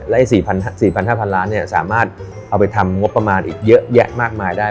และ๔๕๐๐ล้านสามารถเอาไปทำงบประมาณอีกเยอะแยะมากมายได้